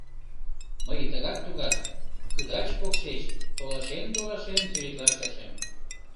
Мый тыгат-тугат, кыдач-покшеч, толашен-толашен сӱретлаш тыршем.